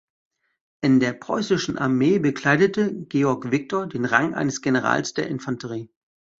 In der Preußischen Armee bekleidete Georg Viktor den Rang eines Generals der Infanterie.